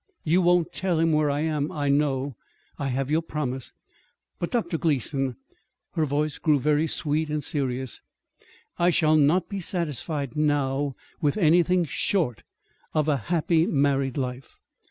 You won't tell him where I am, I know. I have your promise. But, Dr. Gleason," her voice grew very sweet and serious, "I shall not be satisfied now with anything short of a happy married life.